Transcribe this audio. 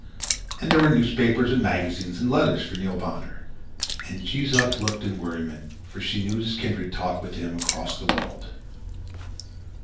And there were newspapers and magazines and letters for Neil Bonner. And Jees Uck looked on in worriment, for she knew his kindred talked with him across the world.